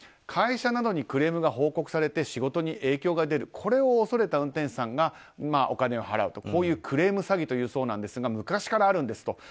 会社などにクレームが報告されて仕事に影響が出ることを恐れた運転手さんがお金を払うとこういうのをクレーム詐欺と言うそうなんですが昔からあるんですと。